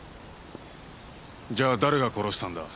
じゃあ誰が殺したんだ？